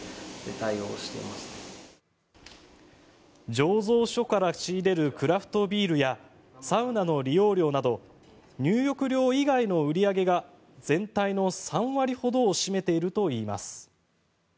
醸造所から仕入れるクラフトビールやサウナの利用料など入浴料以外の売り上げが全体の３割ほどを占めているといいます。